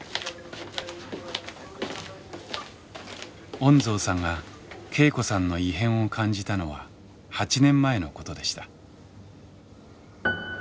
恩蔵さんが恵子さんの異変を感じたのは８年前のことでした。